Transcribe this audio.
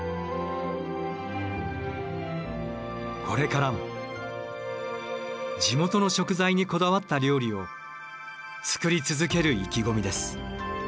これからも地元の食材にこだわった料理を作り続ける意気込みです。